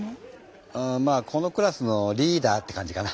うまあこのクラスのリーダーって感じかな。